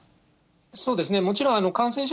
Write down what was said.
そうですね、もちろん感染者